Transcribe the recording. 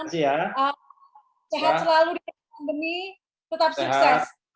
sehat selalu di pandemi tetap sukses